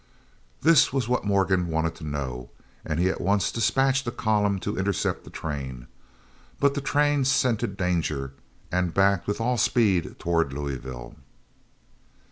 This was what Morgan wanted to know, and he at once dispatched a column to intercept the train. But the train scented danger, and backed with all speed toward Louisville.